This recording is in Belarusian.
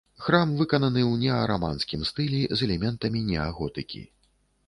Храм выкананы ў неараманскім стылі з элементамі неаготыкі.